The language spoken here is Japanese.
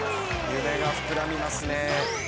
夢が膨らみますね。